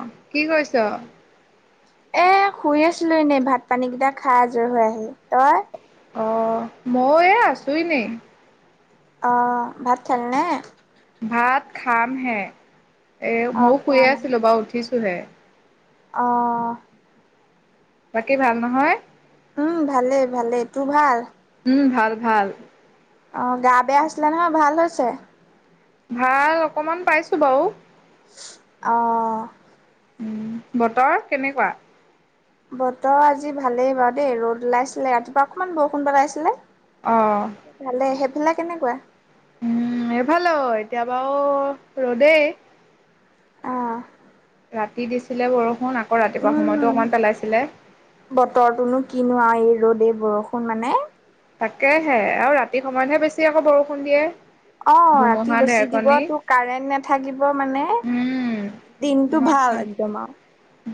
অ', কি কৰিছ'? এ শুই আছিলো এনেই ভাত পানীগিটা খাই আজৰি হৈ আহি, তই? অ', ময়ো আছো এনেই। অ', ভাত খালিনে? ভাত খাম হে, এ অ ময়ো খোৱা শুইয়েই আছিলো বাৰু উঠিছোহে। অহ, বাকী, ভাল নহয়? উম, ভালেই, ভালেই, তোৰ ভাল? উম, ভাল, ভাল, অ', গা বেয়া হৈছিলে নহয়, ভাল হৈছে? ভাল, অকমান পাইছো বাৰু অহ, উম, বতৰ কেনেকুৱা? বতৰ আজি ভালেই বাৰু দেই, ৰ'দ ওলাইছিলে, ৰাতিপুৱা অকমান বৰষুণ পেলাইছিলে। অ' ভালেই, সেইফালে কেনেকুৱা? উম, এফালেও এতিয়া বাৰু ৰ'দেই। অ '। ৰাতি দিছিলে বৰষুণ, আকৌ ৰাতিপুৱা উম সময়তো অকণমান পেলাইছিলে। বতৰটোনো কিনো এই ৰ'দ এই বৰষুণ মানে তাকেহে আকৌ ৰাতি সময়তহে বেছি আকৌ বৰষুণ দিয়ে। অ', ৰাতি ধুমুহা বেছি দিব ঢেৰেকণী তোৰ কাৰেণ্ট নাথাকিব মানে উম দিনটো ভাল একদম আৰু।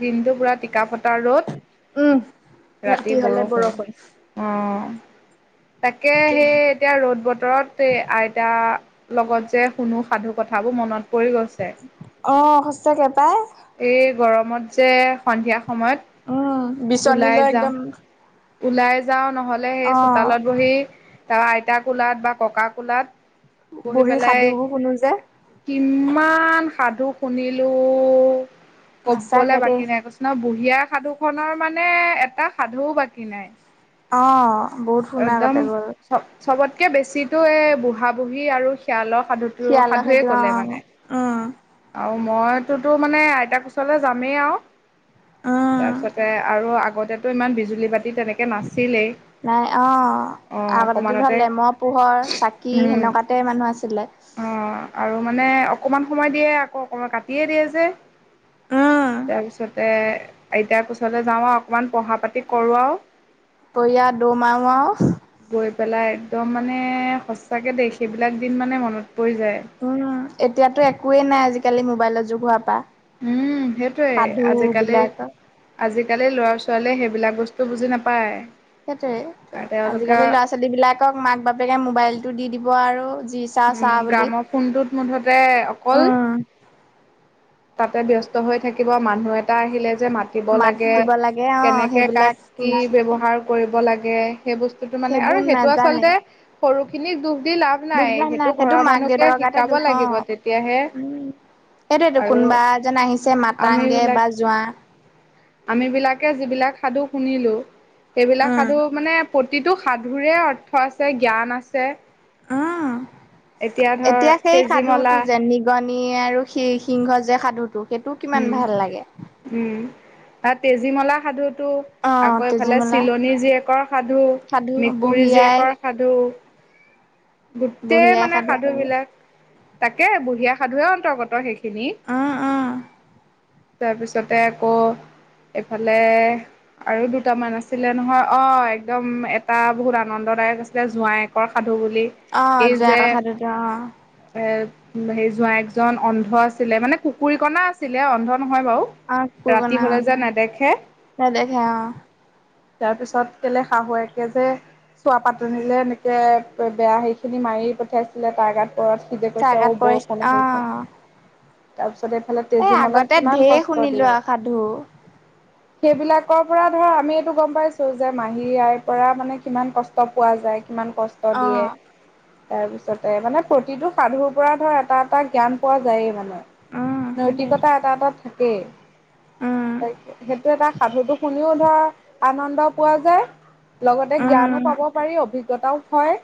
দিনটো পুৰা টিকা ফটা ৰ'দ। উম, ৰাতি হলে বৰষুণ। অ', তাকে সেই এতিয়া ৰ'দ বতৰত এই আইতা লগত যে শুনো সাধু কথাবোৰ মনত পৰি গৈছে। অ', সঁচাকে পাই। এই গৰমত যে সন্ধিয়া সময়ত অ', বিচনী ওলাই লৈ যাওঁ একদম ওলাই যাওঁ নহ'লে সেই অ', চোতালত বহি তাৰ আইতা কোলাত বা ককা কোলাত বহি পেলাই সাধুবোৰ শুনো যে। কিমান সাধু শুনিলো সঁচাকে কবলৈ দেই বাকী নাই কৈছো ন বুঢ়িয়া সাধুখনৰ মানে এটা সাধুও বাকী নাই। অ'। বহুত শুনা একদম আগতে গ'ল চব-চবতকে বেছিতো এ বুঢ়া বুঢ়ী আৰু শিয়ালৰ সাধুটো শিয়ালৰ সাধুৱে সেইটো ক'লে মানে। অ'। আৰু মইতোতো মানে আইতাক কোচলে যামেই আৰু। উম, তাৰপিছতে আৰু আগতেটো ইমান বিজুলী বাতি তেনেকে নাছিলেই। নাই অ'। অঁ আগতেতো অকণমানতে ধৰ লেমৰ পোহৰ চাকি সেনেকুৱাতে মানুহ আছিলে। অ', আৰু মানে অকণমান সময় দিয়ে আকৌ অকণমান কাটিয়ে দিয়ে যে। উম, তাৰপিছতে আইতাৰ কোচলে যাওঁ আৰু অকণমান পঢ়া পাতি কৰোঁ আৰু [unintelligible] দিমা আৰু গৈ পেলাই একদম মানে সচাকে দেই সেইবিলাক দিন মানে মনত পৰি যায়। উম, এতিয়াতো একোৱেই নাই আজিকালি মোবাইলৰ যুগ হোৱাৰ পা। উম, সেইটোৱে আজিকালি বিলাকৰ আজিকালি ল'ৰা ছোৱালীয়ে সেইবিলাক বস্তু বুজি নাপায়। সেইটোয়ে আৰু তেওঁলোকে আজিকালি ল'ৰা ছোৱালী বিলাকক মাক বাপেকে মোবাইলটো দি দিব আৰু যি চা উম, চা বুলি গ্ৰামৰ ফোনটোত মুঠতে অকল তাতে ব্যস্ত হৈ থাকিব মানুহ এটা আহিলে যে মা দ, মাত লাগ দিব লাগে অ কেনেকে সেইবিলাক কাক কি নিশিকে ব্যৱহাৰ কৰিব লাগে সেই বস্তু মানে সেইবোৰ আৰু সেইটো নাজানে আচলতে সৰুখিনিক দুখ দি লাভ নাই। দুখবিলাক সেইটো ঘৰৰ মাক মানুহকে দেউতাকৰ গাতে শিকাব দুখ লাগিব। তেতিয়াহে সেইটোৱটো আৰু কোনোবা এ, যেন আহিছে মাতাংগৈ বা যোৱা আম বিলাকে যিবিলাক সাধু শুনিলো সেইবিলাক উম সাধু মানে প্ৰতিটো সাধুৰে অৰ্থ আছে, জ্ঞান আছে। অ, ধৰ এতিয়া সেই তেজীমলা সাধুটো যেন গণ আৰু সি, সিংহ যে সাধুটো সেইটো কিমান উম ভাল লাগে। উম, বা তেজীমলা সাধুতটো অ আকৌ এইফালে তেজীমলা চিলনী জীয়েকৰ সাধু, সাধু মেকুৰী বুঢ়ী আই জীয়েকৰ সাধু বুঢ়ী গোটেই আই মানে সাধু সেইবোৰ বিলাক তাকে বুঢ়িয় সাধুৱে অন্তৰ্গত সেইখিনি উম উম তাৰপিছতে আকৌ এইফালে আৰু দুটামান আছিলে নহয় অ, একদম এটা বহুত আনন্দদায়ক আছিলে জোঁৱাই শকৰ সাধু বুলি। অ, এই জে যে কষটোতো অ'। এ, হে, যোৱা একজন অন্ধ আছিলে মানে কুকুুৰী কণা আছিলে অন্ধ নহয় বাৰু। অ ৰাতি পুৰণা হলে যে নেদেখে। নেদেখে অ তাৰ পিছত কেলে শাহু একে যে চোৱা পাতনিলে এনেকে বেয়া হেই খিনি মাৰি পঠিয়াইছিলে তাৰ গাত পৰত সি যে কৈছে চাহগাত আৰু পৰিছে বৰষুণে অ আহিছে। তাৰ পিছত এইফালে এই তেজীমলাই আগতে কিমান ঢেৰ কষ্ট শুনিলো দিয়ে। আৰু সাধু সেইবিলাকৰ পৰা ধৰ আমি এইটো গম পাইছো যে মাহী আইৰ পৰা মানে কিমান কষ্ট কষ্ট পোৱা যায় কিমান কষ্ট অ দিয়ে। তাৰ পিছতে মানে প্ৰতিটো সাধুৰ পৰা ধৰ এটা, এটা জ্ঞান পোৱা যায়েই মানে। উম সেইটোৱে নৈতিকতা এটা, এটাত থাকেই। উম সেইটো এটা সাধুটো শুনিও ধৰ আনন্দ পোৱা যায়। লগতে জ্ঞানো উম পাব পাৰি, অভিজ্ঞতাও হয়।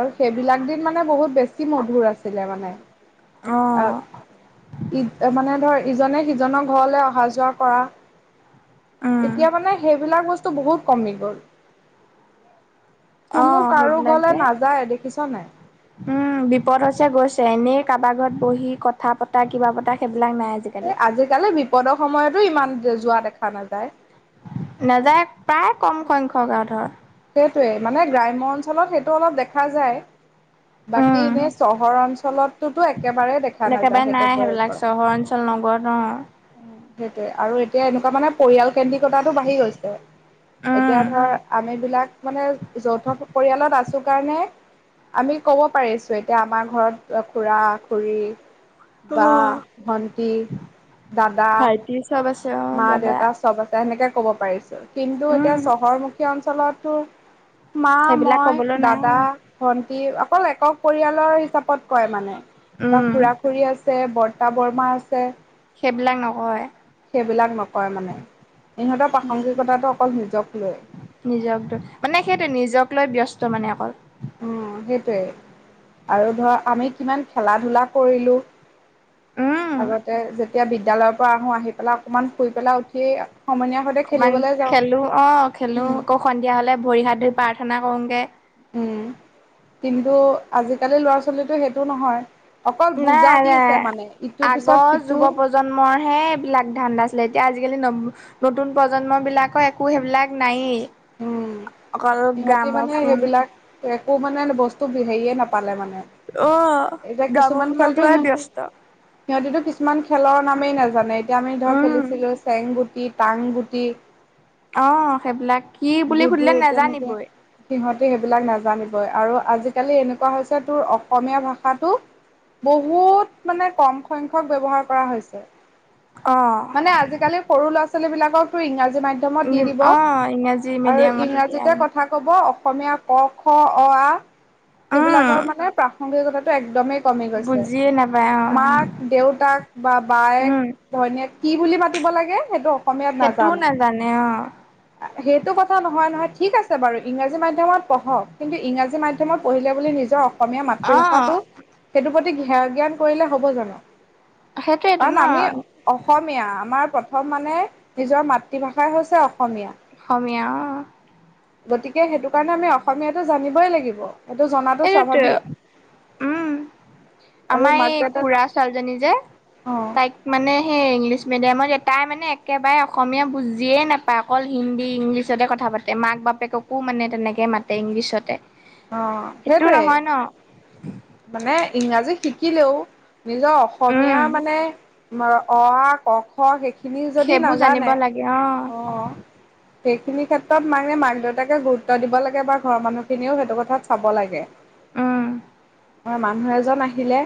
আৰু সেইবিলাক দিন মানে বহুত বেছি মধুৰ আছিলে মানে। অ আহ ঈদ মানে ধৰ ইজনে সিজনৰ ঘৰলৈ অহা-যোৱা কৰা উম এতিয়া মানে সেইবিলাক বস্তু বহুত কমি গ'ল অ কোনো কাৰো সেইবিলাক ঘৰলে যে নাযায় দেখিছ নাই। উম, বিপদছে গৈছে এনেই কাৰোবাক ঘৰত বহি কথা পতা কিবা পতা সেইবিলাক নাই আজিকালি। আজিকালি বিপদৰ সময়তো ইমান যোৱা দেখা নাযায়। নাযায় প্ৰায় কম সংখ্যক আৰু ধৰ সেইটোৱে মানে গ্ৰাম্য অঞ্চলত সেইটো অলপ দেখা যায়। বাকী উম এনেই চহৰ অঞ্চলটতো একেবাৰেই দেখা নাযায় একেবাৰে সেইটো নাই সেইবিলাক প্ৰয়সৰ। চহৰ অঞ্চল নগৰত অ'। সেইটোয়ে আৰু এতিয়া এনেকুৱা মানে পৰিয়াল কেন্দ্ৰিকতাটো বাঢ়ি গৈছে। উম এতিয়া ধৰ আমি বিলাক মানে যৌথ পৰিয়ালত আছো কাৰণে আমি ক'ব পাৰিছো এতিয়া আমাৰ ঘৰত খুৰা-খুৰী অ বা ভন্টি, দাদা [inaudible] দাদা মা-দেউতা চ'ব আছে। সেনেকে ক'ব পাৰিছো। কিন্তু এতিয়া উম, চহৰমুখীয়া অঞ্চলতো মা, সেইবিলাক মই, কবলৈ নাই দাদা আৰু ভন্টি অকল একক পৰিয়ালৰ হিচাপত কয় মানে বা উম, খুৰা-খুুৰী আছে বৰ বৰ্তা-বৰৰ্মা আছে। সেইবিলাক নকয়। সেইবিলাক নকয় মানে ইহঁতৰ প্ৰাসংগিকতাটো অকল নিজক লৈ। নিজক লৈ, মানে সেইটোৱে নিজক লৈ ব্যস্ত মানে অকল। উম্, সেইটোৱে আৰু ধৰ আমি কিমান খেলা ধূলা কৰিলোঁ উম। আগতে, যেতিয়া বিদ্যালয়ৰ পৰা আহোঁ, আহি পেলাই অকমান শুই পেলাই উঠি সমনীয়া অকমান খেলো অ', খেলো উম আকৌ সন্ধিয়া হ'লে ভৰি হাত ধুই প্ৰাৰ্থনা কৰোগে। উম্, কিন্তু আজিকালি ল'ৰা ছোৱালী টো সেইটো নহয়। অকল বুজা নাই নাই। দিছে মানে ইটোৰ পিছত আগৰ সিটো যুৱ প্ৰজন্মৰহে এইবিলাক ধান্দা আছিলে। এতিয়া আজিকালি ন নতুন প্ৰজন্ম বিলাকৰ একো সেইবিলাক নায়েই। উম অকল সিহঁতি গ্ৰাম' মানে ফোন সেইবিলাক একো মানে বস্তু হেৰিয়ে নাপালে মানে। অ', গ্ৰাম' ফোনক লৈ ব্যস্ত। সিহঁতেতো কিছুমান খেলৰ নামেই নাজানে, এতিয়া আমি ধৰ উম, খেলিছিলোঁ চেং গুটি, টাং গুটি অ', সেইবিলাক। কি বুলি সুধিলে নেজানিবই সিহঁতি সেইবিলাক নাজানিবই আৰু আজিকালি এনেকুৱা হৈছে তোৰ অসমীয়া ভাষাটো বহুত মানে কম সংখ্যক ব্যৱহাৰ কৰা হৈছে। অ', - মানে আজিকালি সৰু ল'ৰা-ছোৱালী বিলাককটো ইংৰাজী মাধ্যমত দি দিব অ ইংৰাজী আৰু মিডিয়ামত এতিয়া ইংৰাজীতে কথা ক'ব, অসমীয়া ক, খ, অ, আ, সেইবিলাকৰ উম মানে প্ৰাসংগিকতাটো একদমেই- কমি গৈছে, বুজিয়ে নাপায় অ মাক-দেউতাক বা উম বায়েক-ভনীয়েক- বুলি মাতিব লাগে, সেইটো অসমীয়াত সেইটোও নাজানে। অ সেইটো কথা নহয় নহয়, ঠিক আছে বাৰু ইংৰাজী মাধ্যমত পঢ়ক। কিন্তু ইংৰাজী মাধ্যমত পঢ়িলে বুলি নিজৰ অসমীয়া- অসমীয়া অ মাতৃভাষাটো সেইটোৰ প্ৰতি ঘেয় জ্ঞান কৰিলে হ'ব জানোঁ। সেইটোৱেইটো ন। অসমীয়া, আমাৰ প্ৰথম মানে নিজৰ মাতৃভাষাই হৈছে অসমীয়া। অসমীয়া অ', গতিকে, সেইটো কাৰণে আমি অসমীয়াটো জানিবই লাগিব। সেইটো জনাটো তাকেইটো। স্বাভাৱিক। উম্, আৰু আমাৰ মাক এই দেউতাক খুৰা ছোৱালীজনী যে অ'। তাইক- মানে সেই ইংলিছ মিডিয়ামত, তাই মানে একেবাৰে অসমীয়া বুজিয়েই নাপায়। অকল হিন্দী, ইংলিছতে কথা পাতে। মাক বাপেককো মানে তেনেকে মাতে ইংলিছতে। অ', সেইটো সেইটোৱে। নহয় ন মানে ইংৰাজী শিকিলেও- নিজৰ অসমীয়া উম মানে অ, আ, ক, খ, সেইখিনি- সেইখিনি যদি সেইবোৰ জানিব নাজানে লাগে অ অ', সেইখিনি ক্ষেত্ৰত মানে মাক-দেউতাকে গুৰুত্ব দিব লাগে বা ঘৰৰ মানুহখিনিও সেইটো কথাত চাব লাগে। উম মানুহ এজন আহিলে,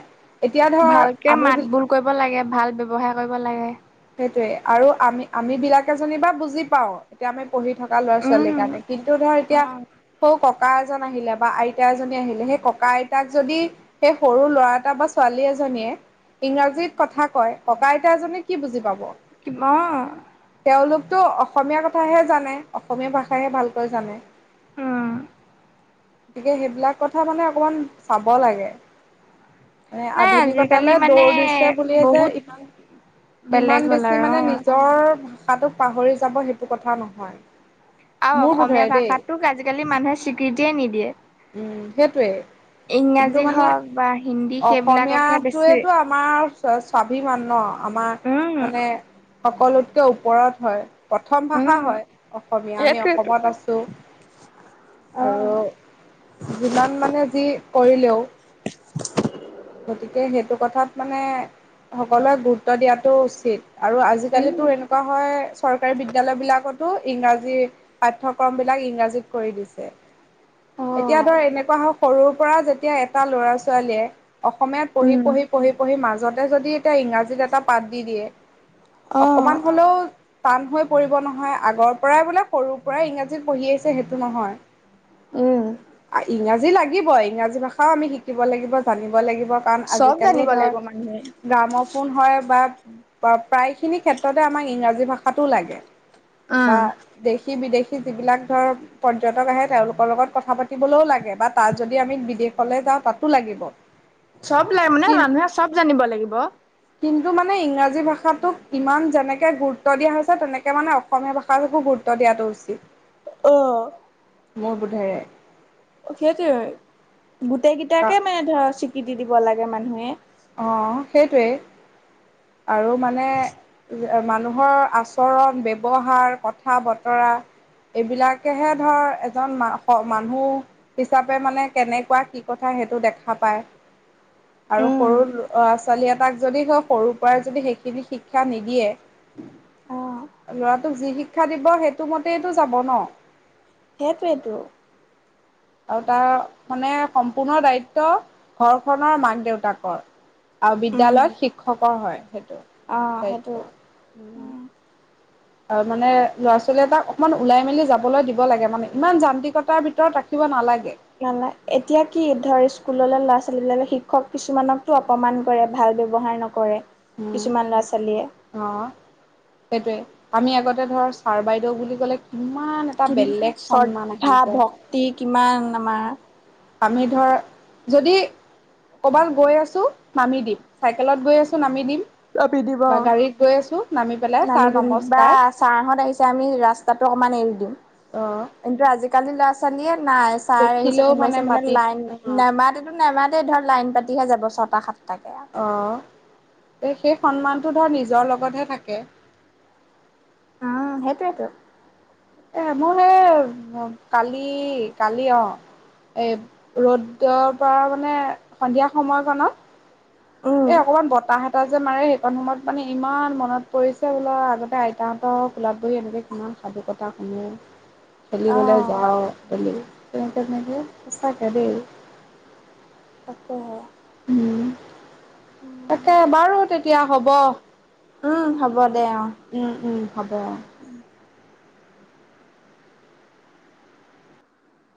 এতিয়া ধৰ ভালকে আমি- মাত বোল কৰিব লাগে, ভাল ব্যৱহাৰ কৰিব লাগে। সেইটোয়ে, আৰু আমি আমি বিলাকে জনী বা বুজি পাওঁ, এতিয়া আমি- পঢ়ি থকা উম ল'ৰা-ছোৱালীৰ কাৰণে কিন্তু ধৰ অ এতিয়া- সৌ ককা এজন আহিলে বা আইতা এজনী আহিলে, সেই ককা-আইতাক যদি- সেই সৰু ল'ৰা এটা বা ছোৱালী এজনীয়ে ইংৰাজীত কথা কয়, ককা-আইতা এজনীক কি বুজি পাব। কিবা অ', তেওঁলোকেতো অসমীয়া কথাহে জানে। অসমীয়া ভাষাহে ভালকৈ জানে। উম্। গতিকে, সেইবিলাক কথা মানে অকণমান চাব লাগে। মানে নাই আজিকালি আধুনিকতালৈ মানে দৌৰ দিছে বুলিয়ে যে বহুত ইমান- ইমান বেলেগ হ'ল বেছি আৰু মানে অ নিজৰ ভাষাটোক পাহৰি যাব, সেইটো কথা নহয়। আৰু মোৰ অসমীয়া বোধেৰে দেই। ভাষাটোক আজিকালি মানুহে স্বীকৃতিয়ে নিদিয়ে উম্, সেইটোৱে কিন্তু ইংৰাজী মানে হওক বা হিন্দী সেইবিলাককহে অসমীয়াটোৱে বেছি আমাৰ স্বাভিমান ন। আমাৰ উম মানে সকলোতকে ওপৰত হয়। প্ৰথম ভাষা উম হয় অসমীয়া আমি সেইটোৱেটো অসমত আছোঁ। অ আৰু যিমান মানে যি কৰিলেও [inaudible] গতিকে সেইটো কথাত মানে সকলোৱে গুৰুত্ব দিয়াটো উচিত আৰু আজিকালিতো উম এনেকুৱা হয় চৰকাৰী বিদ্যালয়বিলাকত ইংৰাজী পাঠ্যক্ৰমবিলাক ইংৰাজীত কৰি দিছে। অ এতিয়া ধৰ এনেকুৱা হওক সৰুৰ পৰা যেতিয়া এটা ল'ৰা ছোৱালীয়ে অসমীয়াত পঢ়ি উম পঢ়ি পঢ়ি পঢ়ি মাজতে যদি এতিয়া ইংৰাজীত এটা পাঠ দি দিয়ে। অ অকমান হ'লেও টান হৈ পৰিব নহয়। আগৰ পৰাই বোলে সৰুৰ পৰাই ইংৰাজীত পঢ়ি আহিছে সেইটো নহয়। উম ইংৰাজী লাগিবই ইংৰাজী ভাষাও আমি শিকিব লাগিব জানিম কাৰণ চব আজিকালি জানিব ধৰ লাগিব মানুহে গ্ৰামোফোন হয় বা প্ৰায়খিনি ক্ষেত্ৰতে আমাক ইংৰাজী ভাষাটো লাগে উম বা দেশী বিদেশী যিবিলাক ধৰ পৰ্যটক আহে, তেওঁলোকৰ লগত কথা পাতিবলৈও লাগে বা তাত যদি আমি বিদেশলৈ যাওঁ তাতো লাগিব। চ'ব নাই মানে কি মানুহে চ'ব জানিব লাগিব। কিন্তু মানে ইংৰাজী ভাষাটোক ইমান যেনেকে গুৰুত্ব দিয়া হৈছে, তেনেকে মানে অসমীয়া অসমীয়া ভাষাটোকো গুৰুত্ব দিয়াটো উচিত। অহ' মোৰ বোধেৰে। সেইটোৱে গোটেই কেইটাকে মানে ধৰ স্বীকৃতি দিব লাগে মানুহে। অ' সেইটোৱেই আৰু মানে মানুহৰ আচৰণ ব্যৱহাৰ কথা বতৰা। এইবিলাকেহে ধৰ এজন ম মানুহ হিচাপে মানে কেনেকুৱা কি কথা সেইটো দেখা পায় আৰু সৰু অ', ল'ৰা ছোৱালী এটাক যদি হয় সৰুৰ পৰাই যদি সেইখিনি শিক্ষা নিদিয়ে। ল'ৰাটোক যি শিক্ষা দিব সেইটো মতেইতো যাব ন। সেইটোৱেইটো। আৰু তাৰ মানে সম্পূৰ্ণ দায়িত্ব ঘৰখনৰ মাক দেউতাকৰ। আৰু বিদ্যয়ালয়ত অ', শিক্ষকৰ হয় সেইটো সেইটো দায়িত্ব উম। আৰু মানে ল'ৰা-ছোৱালী এটাক অকণমান ওলাই মেলি যাবলৈ দিব লাগে, মানে ইমান যান্ত্ৰিকতাৰ ভিতৰত ৰাখিব নালাগে। নালা এতিয়া কি ধৰ স্কুল ল'ৰা-ছোৱালীবিলাকে শিক্ষক কিছুমানকক অপমান কৰে ভাল ব্যৱহাৰ নকৰে। কৰে কিছুমান ল'ৰা-ছোৱালীয়ে। অহ, সেইটোৱে আমি আগতে ধৰ ছাৰ বাইদেউ বুলি ক'লে কিমান এটা কিমান বেলেগ সন্মান শ্ৰদ্ধা আহি যায়। ভক্তি কিমান আমাৰ। আমি ধৰ, যদি ক'ৰবাত গৈ আছোঁ নামি দিম, চাইকেলত গৈ আছোঁ নামি দিম। নামি দিব। বা গাড়ীত গৈ আছোঁ নামি পেলাই, ছাৰ দিম বা নমস্কাৰ। ছাৰহঁত আহিছে আমি ৰাস্তাতটো অকণমান এৰি দিওঁ। অহ। কিন্তু আজিকালি ল'ৰা-ছোৱালীয়ে নাই, ছাৰ আহিছে, দেখিলেও কোনবা আহিছে, মানে মাটিত লাইন অ' নেমাতে নেমাতে ধৰ লাইন পাতিহে যাব ছটা সাতটাকে। আৰু। অহ, এই সেই সন্মানটো ধৰ নিজৰ লগতহে থাকে। উম, সেইটোৱেইটো। এ মোৰ [unintelligible] এই কালি, কালি অহ। এই ৰ'দৰ পৰা মানে সন্ধিয়া সময়কণত। এ উম অকণমান বতাহ এটাহ যে মাৰে সেইখন সময়ত মানে ইমান মনত পৰিছে বোলো আগতে আইতাহঁতে কোলাপ বহি এনেকৈ কিমান সাধুকথা শুনো, অ খেলিবলৈ যাওঁ বুলি। [unintelligible] সচাঁকে দেই। তাকে। উম, তাকে বাৰু তেতিয়া হব। উ হ'ব দে আৰু। উম উম, হ'ব।